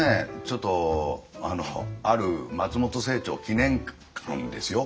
ちょっとある松本清張記念館ですよ。